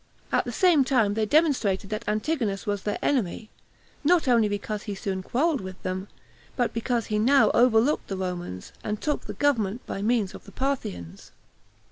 At the same time they demonstrated that Antigonus was their enemy, not only because he soon quarreled with them, but because he now overlooked the Romans, and took the government by the means of the Parthians.